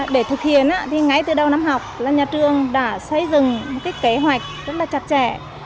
để thực hiện ngay từ đầu năm học nhà trường đã xây dựng kế hoạch rất chặt chẽ